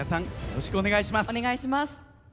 よろしくお願いします。